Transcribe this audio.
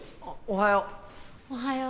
おはよう。